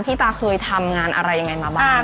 ตาเคยทำงานอะไรยังไงมาบ้าง